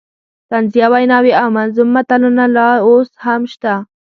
طنزیه ویناوې او منظوم متلونه لا اوس هم شته.